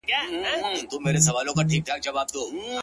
ژړا، سلگۍ زما د ژوند د تسلسل نښه ده،